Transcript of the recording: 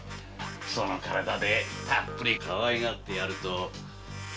その体でたっぷりとかわいがってやるといいぜ。